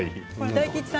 大吉さん